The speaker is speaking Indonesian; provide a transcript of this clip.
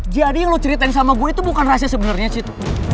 jadi yang lo ceritain sama gue itu bukan rahasia sebenernya cid